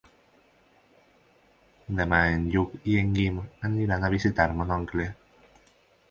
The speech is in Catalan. Demà en Lluc i en Guim aniran a visitar mon oncle.